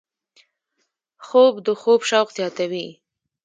خوب د خوب شوق زیاتوي